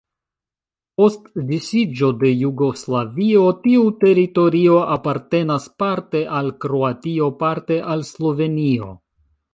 Post disiĝo de Jugoslavio tiu teritorio apartenas parte al Kroatio, parte al Slovenio.